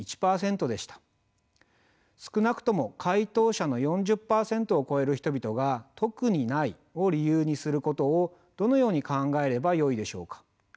少なくとも回答者の４０％を超える人々が特にないを理由にすることをどのように考えればよいでしょうか。